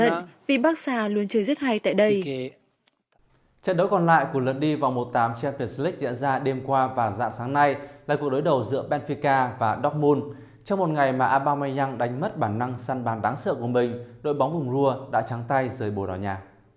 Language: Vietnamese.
trận đấu còn lại của lần đi vào mùa tám champions league diễn ra đêm qua và dạng sáng nay là cuộc đối đầu giữa benfica và dortmund trong một ngày mà aubameyang đánh mất bản năng săn bàn đáng sợ của mình đội bóng vùng rua đã trắng tay dưới bồ đỏ nhà